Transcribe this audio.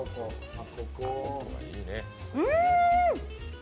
うん！